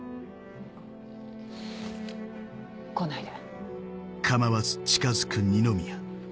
来ないで。